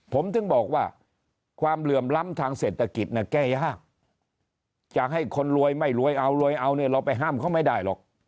ผมถึงบอกว่าความเหลื่อมล้ำทางเศรษฐกิจแก้ยากจะให้คนรวยไม่รวยเอารวยเอาเนี่ยเราไปห้ามเขาไม่ได้หรอก